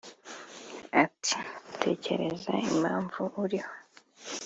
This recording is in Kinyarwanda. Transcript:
Ati” Tekereza impamvu uriho